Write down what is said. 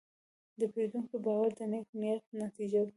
د پیرودونکي باور د نیک نیت نتیجه ده.